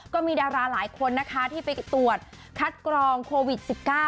ก็มีดาราหลายคนนะคะที่ไปตรวจคัดกรองโควิด๑๙